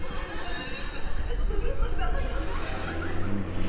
ちょっとうるっときたんだけど。